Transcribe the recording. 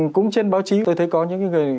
cũng trên báo chí tôi thấy có những người